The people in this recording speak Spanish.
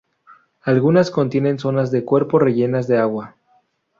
Algunas contienen zonas de cuerpo rellenas de agua.